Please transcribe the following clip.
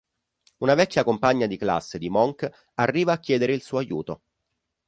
Una vecchia compagna di classe di Monk arriva a chiedere il suo aiuto.